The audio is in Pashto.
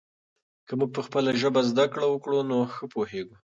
که موږ په خپله ژبه زده کړه وکړو نو ښه پوهېږو.